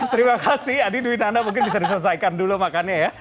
terima kasih adi duit anda mungkin bisa diselesaikan dulu makannya ya